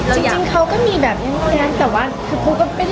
แต่ก่อนนั้นเค้าไม่ได้การพูดกับเรื่องนี้หรือนี่ไหมค่ะ